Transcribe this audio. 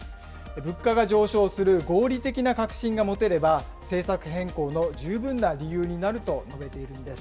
物価が上昇する合理的な確信が持てれば、政策変更の十分な理由になると述べているんです。